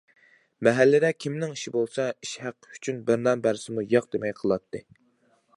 مەھەللىدە كىمنىڭ ئىشى بولسا، ئىش ھەققى ئۈچۈن بىر نان بەرسىمۇ ياق دىپەي قىلاتتى.